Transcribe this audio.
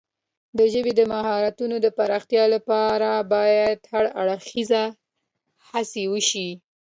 د ژبې د مهارتونو د پراختیا لپاره باید هر اړخیزه هڅې وشي.